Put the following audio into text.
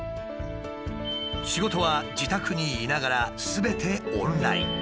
仕事は自宅にいながらすべてオンライン。